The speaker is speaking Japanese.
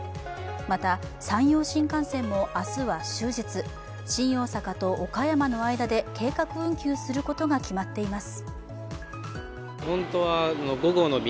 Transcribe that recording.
また、山陽新幹線も明日は終日新大阪と岡山の間で、計画運休することが決まっています。